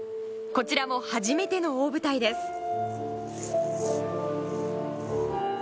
こちらも初めての大舞台です。